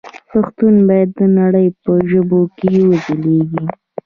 پښتو باید د نړۍ په ژبو کې وځلېږي.